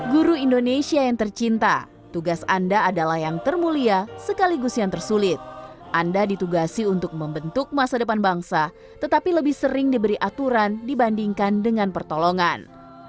guru indonesia yang tercinta tugas anda adalah yang termulia sekaligus yang tersulit anda ditugasi untuk membentuk masa depan bangsa tetapi lebih sering diberi aturan dibandingkan dengan pertolongan